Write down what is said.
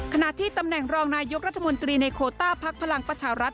ขณะที่ตำแหน่งรองนายกรัฐมนตรีในโคต้าพักพลังประชารัฐ